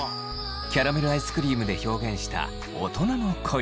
キャラメルアイスクリームで表現した大人の恋。